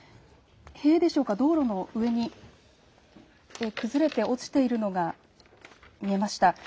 塀でしょうか、道路の上に崩れて落ちているのが見えました。